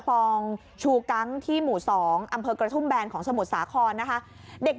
คลองชูกังที่หมู่๒อำเภอกระทุ่มแบนของสมุทรสาครนะคะเด็ก